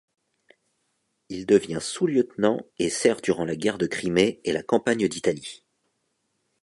Il devient sous-lieutenant et sert durant la guerre de Crimée et la campagne d'Italie.